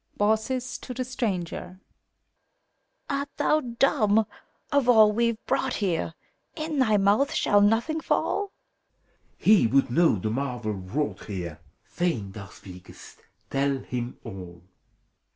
BAUCIS (to the Stranger), RT thou dumb? Of all we've brought here, In thy mouth shall nothing fall? PHILEMON. He would know the marvel wrought here : Fain thou speakest: tell him all!